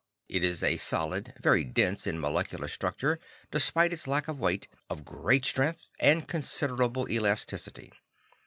It is a solid, very dense in molecular structure despite its lack of weight, of great strength and considerable elasticity.